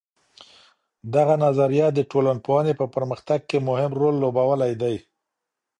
دغه نظريه د ټولنپوهنې په پرمختګ کي مهم رول لوبولی دی.